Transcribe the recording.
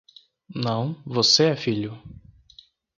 Não, você é filho.